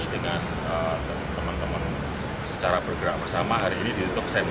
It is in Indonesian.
dengan teman teman secara bergerak bersama hari ini di tok sen